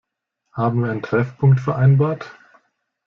Haben wir einen Treffpunkt vereinbart?